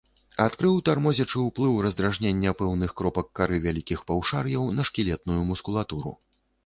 Адкрыў тармозячы ўплыў раздражнення пэўных кропак кары вялікіх паўшар'яў на шкілетную мускулатуру.